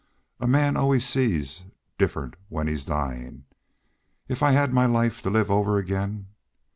A man always sees different when he's dyin'.... If I had my life to live over again!